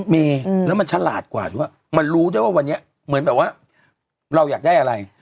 มีแล้วมันฉลาดกว่ามันรู้ได้ว่าวันนี้เราอยากได้อะไร